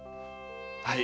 はい。